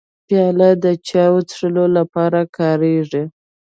پیاله د چای څښلو لپاره کارېږي.